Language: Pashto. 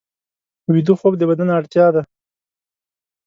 ویده خوب د بدن اړتیا ده